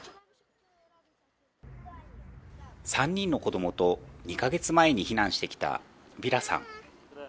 ３人の子供と２か月前に避難してきたヴィラさん。